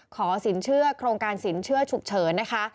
สินเชื่อโครงการสินเชื่อฉุกเฉินนะคะ